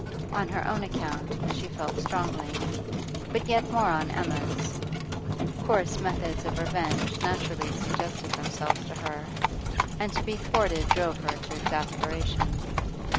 On her own account she felt strongly, but yet more on Emma's; coarse methods of revenge naturally suggested themselves to her, and to be thwarted drove her to exasperation.